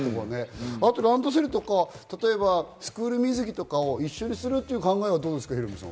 あと、ランドセルとか例えばスクール水着とかを一緒にするという考えはどうですか。